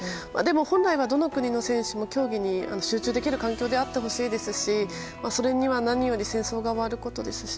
本来はどの国の選手も競技に集中できる環境であってほしいですしそれには何より戦争が終わることですし。